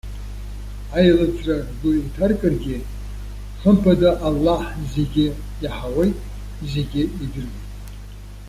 Аилыҵра ргәы иҭаркыргьы, хымԥада Аллаҳ зегьы иаҳауеит, зегьы идыруеит.